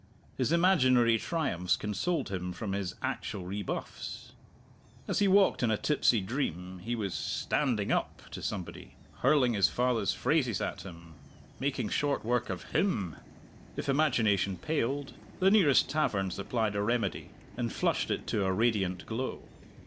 His imaginary triumphs consoled him for his actual rebuffs. As he walked in a tipsy dream, he was "standing up" to somebody, hurling his father's phrases at him, making short work of him! If imagination paled, the nearest tavern supplied a remedy, and flushed it to a radiant glow.